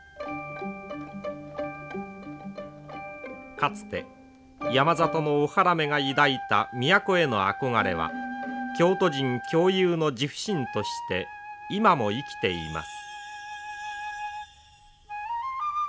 かつて山里の大原女が抱いた都への憧れは京都人共有の自負心として今も生きています。